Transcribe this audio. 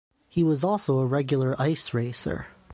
He was also a regular ice racer.